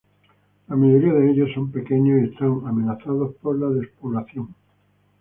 La mayoría de ellos son pequeños y están amenazados por la despoblación.